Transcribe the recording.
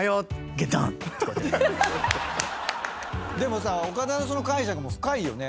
ゲッダン！でもさ岡田のその解釈も深いよね。